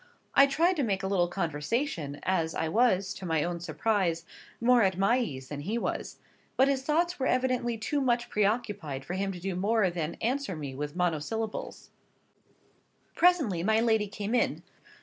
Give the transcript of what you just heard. I tried to make a little conversation, as I was, to my own surprise, more at my ease than he was; but his thoughts were evidently too much preoccupied for him to do more than answer me with monosyllables. Presently my lady came in.